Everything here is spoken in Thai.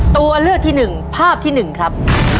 ตัวเลือกที่๑ภาพที่๑ครับ